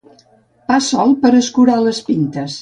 Pa sol, per escurar les pintes.